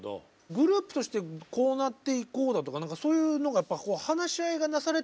グループとしてこうなっていこうだとかそういうのがやっぱり話し合いがなされたってことですか？